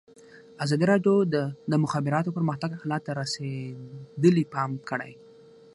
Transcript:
ازادي راډیو د د مخابراتو پرمختګ حالت ته رسېدلي پام کړی.